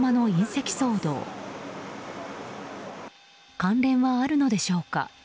関連はあるのでしょうか？